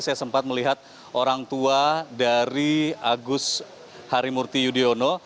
saya sempat melihat orang tua dari agus harimurti yudhoyono